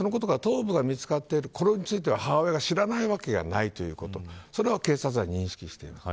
頭部が見つかって、これについて母親が知らないわけがないということそれは警察は認識しています。